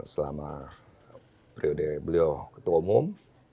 selama periode beliau ketua umum